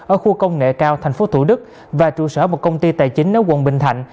ở khu công nghệ cao tp thủ đức và trụ sở một công ty tài chính ở quận bình thạnh